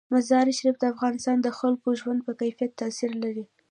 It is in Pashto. مزارشریف د افغانستان د خلکو د ژوند په کیفیت تاثیر لري.